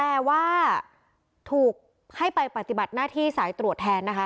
แต่ว่าถูกให้ไปปฏิบัติหน้าที่สายตรวจแทนนะคะ